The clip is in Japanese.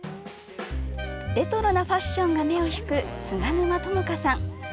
レトロなファッションが目を引く、菅沼朋香さん。